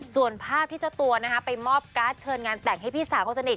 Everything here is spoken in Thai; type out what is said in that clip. ส่วนภาพที่เจ้าตัวไปมอบการ์ดเชิญงานแต่งให้พี่สาวคนสนิท